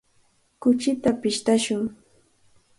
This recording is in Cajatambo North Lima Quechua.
Kuchita pishtashun.